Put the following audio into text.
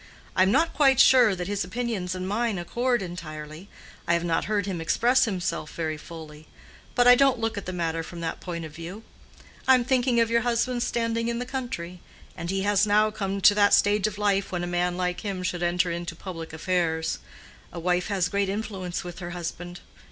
I am not quite sure that his opinions and mine accord entirely; I have not heard him express himself very fully. But I don't look at the matter from that point of view. I am thinking of your husband's standing in the country. And he has now come to that stage of life when a man like him should enter into public affairs. A wife has great influence with her husband.